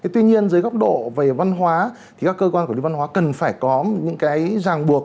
tuy nhiên dưới góc độ về văn hóa thì các cơ quan quản lý văn hóa cần phải có những cái ràng buộc